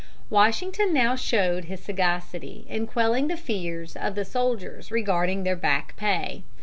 Washington now showed his sagacity in quelling the fears of the soldiers regarding their back pay.